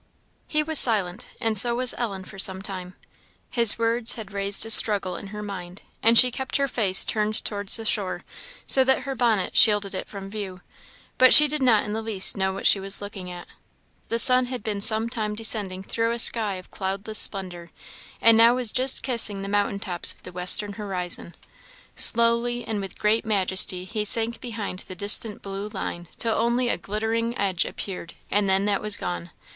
" He was silent, and so was Ellen, for some time. His words had raised a struggle in her mind; and she kept her face turned towards the shore, so that her bonnet shielded it from view; but she did not in the least know what she was looking at. The sun had been some time descending through a sky of cloudless splendour, and now was just kissing the mountain tops of the western horizon. Slowly and with great majesty he sank behind the distant blue line, till only a glittering edge appeared and then that was gone.